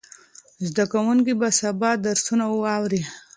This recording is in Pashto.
زده کوونکي به سبا درسونه واوري.